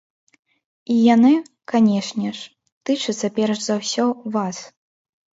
І яны, канешне ж, тычацца перш за ўсё вас.